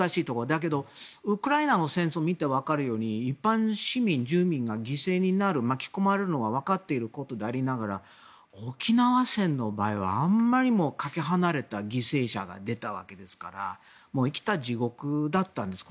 だけどウクライナの戦争を見て分かるように一般市民、住民が犠牲になる巻き込まれるのが分かっていることでありながら沖縄戦の場合はあまりにもかけ離れた犠牲者が出たわけですから生きた地獄だったんです。